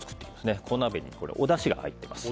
お鍋におだしが入っています。